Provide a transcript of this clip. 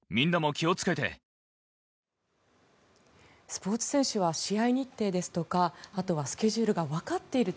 スポーツ選手は試合日程ですとかあとはスケジュールがわかっている。